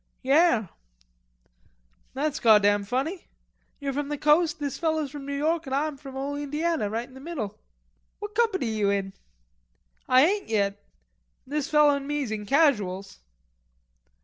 "Yare." "That's goddam funny. You're from the Coast, this feller's from New York, an' Ah'm from ole Indiana, right in the middle." "What company you in?" "Ah ain't yet. This feller an me's in Casuals."